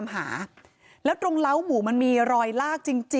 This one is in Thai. ชาวบ้านในพื้นที่บอกว่าปกติผู้ตายเขาก็อยู่กับสามีแล้วก็ลูกสองคนนะฮะ